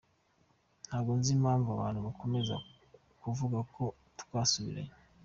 Ntabwo nzi impamvu abantu bakomeza kuvuga ko twasubiranye.